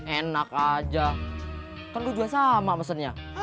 enak aja kan lu jual sama mesennya